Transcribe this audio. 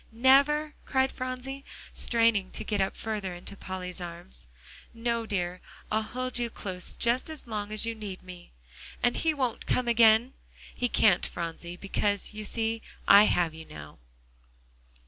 "Never?" cried Phronsie, straining to get up further into Polly's arms. "No dear; I'll hold you close just as long as you need me." "And he won't come again?" "He can't Phronsie; because, you see, I have you now."